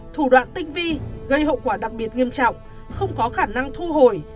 thủ đoạn tinh vi gây hậu quả đặc biệt nghiêm trọng không có khả năng thu hồi